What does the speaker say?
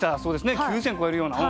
９，０００超えるような。